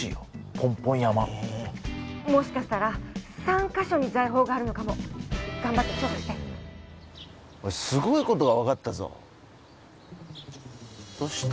ポンポン山もしかしたら３カ所に財宝があるのかも頑張って調査してスゴいことがわかったぞどうした？